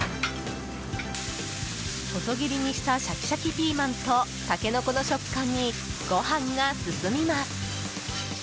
細切りにしたシャキシャキピーマンとタケノコの食感にご飯が進みます。